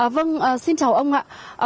vâng xin chào ông ạ